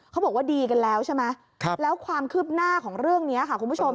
เขาบอกว่าดีกันแล้วใช่ไหมแล้วความคืบหน้าของเรื่องนี้ค่ะคุณผู้ชม